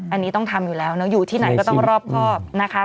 อันนี้ต้องทำอยู่แล้วเนอะอยู่ที่ไหนก็ต้องรอบครอบนะคะ